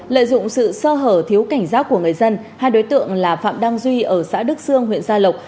lợi dụng sự sơ hở thiếu cảnh giác của người dân hai đối tượng là phạm đăng duy ở xã đức sương huyện gia lộc